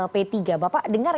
p tiga bapak dengar